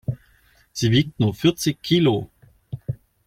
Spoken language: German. Sie wiegt nur vierzig Kilo.